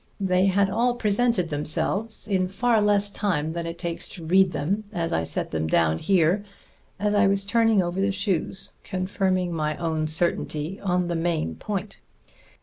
They had all presented themselves, in far less time than it takes to read them as set down here, as I was turning over the shoes, confirming my own certainty on the main point.